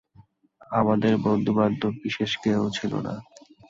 আমাদের বন্ধু-বান্ধব বিশেষ কেহ ছিল না।